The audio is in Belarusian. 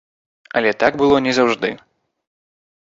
Але так было не заўжды.